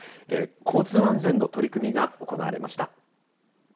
交通安全の取り組みが行われました。